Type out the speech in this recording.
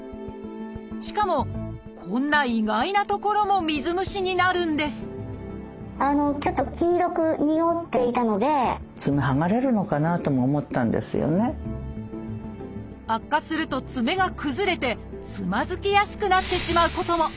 しかもこんな意外な所も水虫になるんです悪化すると爪が崩れてつまずきやすくなってしまうことも。